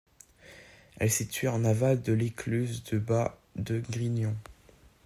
Elle est située en aval de l’écluse du Bas de Grignon.